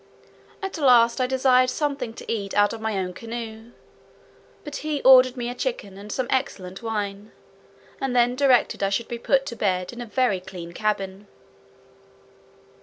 At last I desired something to eat out of my own canoe; but he ordered me a chicken, and some excellent wine, and then directed that I should be put to bed in a very clean cabin.